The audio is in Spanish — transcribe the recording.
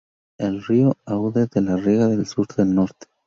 El río Aude la riega de sur a norte.